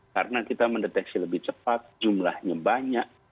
karena kita mendeteksi lebih cepat jumlahnya banyak